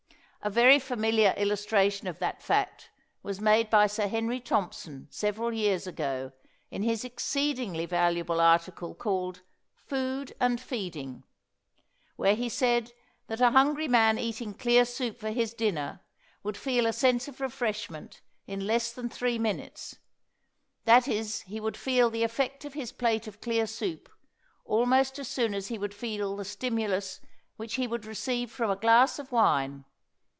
A very familiar illustration of that fact was made by Sir Henry Thompson several years ago, in his exceedingly valuable article called "Food and Feeding," where he said that a hungry man eating clear soup for his dinner would feel a sense of refreshment in less than three minutes; that is, he would feel the effect of his plate of clear soup almost as soon as he would feel the stimulus which he would receive from a glass of wine.